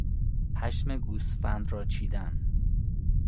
پشم گوسفند را چیدن